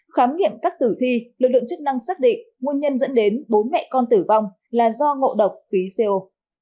khám nghiệm các tử thi lực lượng chức năng xác định nguồn nhân dẫn đến bốn mẹ con tử vong là do ngộ độc khí co